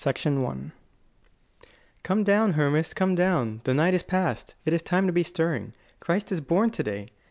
THE LOST WORD "Come down, Hermas, come down! The night is past. It is time to be stirring. Christ is born today.